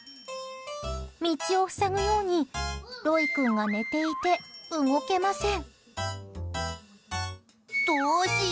道を塞ぐようにロイ君が寝ていて動けません。